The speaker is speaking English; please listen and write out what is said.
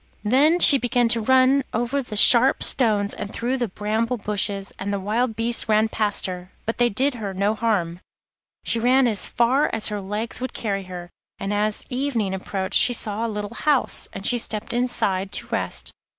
Then she began to run over the sharp stones, and through the bramble bushes, and the wild beasts ran past her, but they did her no harm. She ran as far as her legs would carry her, and as evening approached she saw a little house, and she stepped inside to rest.